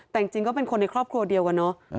แต่จริงก็เป็นคนในครอบครัวเดียวกันเนอะ